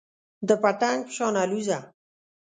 د پتنګ په شان الوځه .